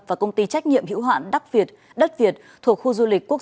và công ty trách nhiệm hữu hạn đắc việt đất việt thuộc khu du lịch quốc